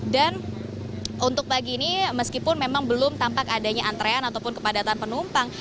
dan untuk pagi ini meskipun memang belum tampak adanya antrean ataupun kepadatan penumpang